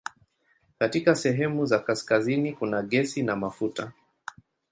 Katika sehemu za kaskazini kuna gesi na mafuta.